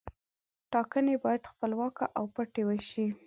ټاکنې باید خپلواکه او پټې وشي.